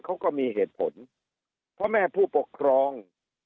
เขาก็มีเหตุผลเพราะแม่ผู้ปกครอง